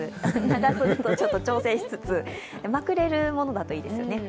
長袖とちょっと調整しつつまくれるものがいいですね。